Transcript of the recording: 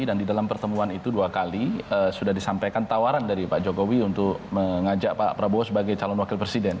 dan di dalam pertemuan itu dua kali sudah disampaikan tawaran dari pak jokowi untuk mengajak pak prabowo sebagai calon wakil presiden